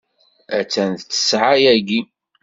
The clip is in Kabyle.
Attan d ttessɛa yagi.